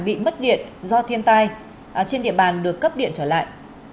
bị mất điện do thiên tai trên địa bàn được cấp điện trở lại